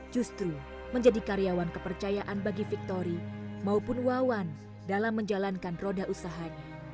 justru menjadi karyawan kepercayaan bagi victori maupun wawan dalam menjalankan roda usahanya